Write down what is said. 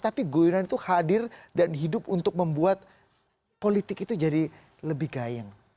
tapi guyonan itu hadir dan hidup untuk membuat politik itu jadi lebih gayeng